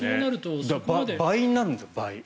倍になるんです。